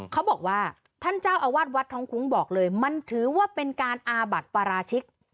เขาบอกว่าท่านเจ้าอาวาสวัดท้องคุ้งบอกเลยมันถือว่าเป็นการอาบัติปราชิก